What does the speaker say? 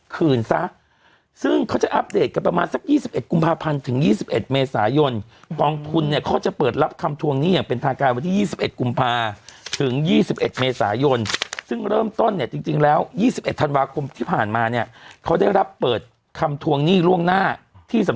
คืนซะซึ่งเขาจะอัปเดตกันประมาณสัก๒๑กุมภาพันธ์ถึง๒๑เมษายนกองทุนเนี่ยเขาจะเปิดรับคำทวงหนี้อย่างเป็นทางการวันที่๒๑กุมภาถึง๒๑เมษายนซึ่งเริ่มต้นเนี่ยจริงแล้ว๒๑ธันวาคมที่ผ่านมาเนี่ยเขาได้รับเปิดคำทวงหนี้ล่วงหน้าที่ส